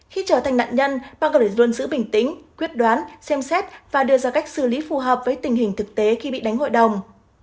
khi trở thành nạn nhân pakari luôn giữ bình tĩnh quyết đoán xem xét và đưa ra cách xử lý phù hợp với tình hình thực tế khi bị đánh hội đồng